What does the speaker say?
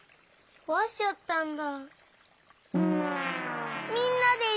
こわしちゃったんだ。